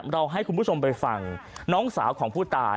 เราให้คุณผู้ชมไปฟังน้องสาวของผู้ตาย